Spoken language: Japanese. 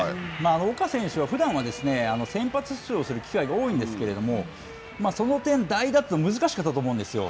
岡選手は、ふだんは先発出場する機会が多いんですけれども、その点、代打というのは、難しかったと思うんですよ。